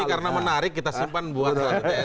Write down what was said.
ini karena menarik kita simpan buat dpr